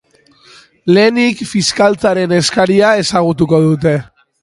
Lehenik fiskaltzaren eskaria ezagutuko dute.